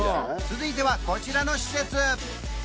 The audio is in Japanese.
続いてはこちらの施設